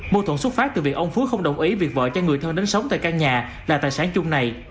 mô thuẫn xuất phát từ việc ông phước không đồng ý việc vợ cho người thân đến sống tại căn nhà là tài sản chung này